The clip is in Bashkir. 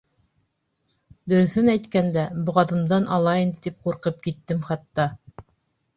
Дөрөҫөн әйткәндә, боғаҙымдан ала инде тип ҡурҡып киттем хатта.